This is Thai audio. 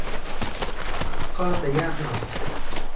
ก็จะยากหน่อย